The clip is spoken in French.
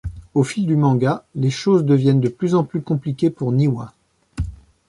Au fil du manga, les choses deviennent de plus en plus compliquées pour Niwa.